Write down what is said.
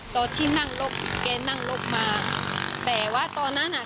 ตอนที่นั่งลกแกนั่งลกมาแต่ว่าตอนนั้นอ่ะ